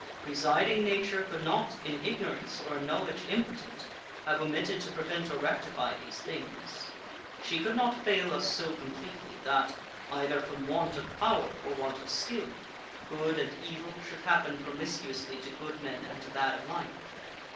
Presiding Nature could not in ignorance, or in knowledge impotent, have omitted to prevent or rectify these things. She could not fail us so completely that, either from want of power or want of skill, good and evil should happen promiscuously to good men and to bad alike.